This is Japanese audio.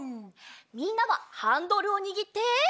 みんなはハンドルをにぎって。